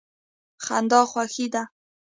خندا خوښي ده.